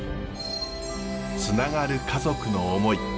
つながる家族の思い。